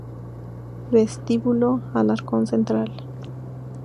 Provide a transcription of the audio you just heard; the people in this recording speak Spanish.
Vestíbulo Alcorcón Central